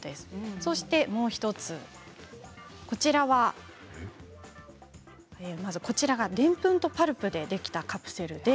そして、もう１つ、こちらはまず右の方はでんぷんのパルプでできたカプセルです。